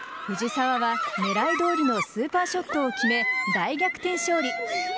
藤澤は狙いどおりのスーパーショットを決め大逆転勝利。